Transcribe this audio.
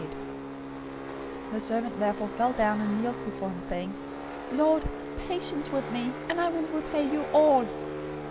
018:026 The servant therefore fell down and kneeled before him, saying, 'Lord, have patience with me, and I will repay you all!'